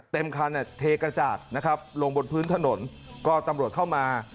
เต็มคันเทกระจาดนะครับลงบนพื้นถนนก็ตำรวจเข้ามา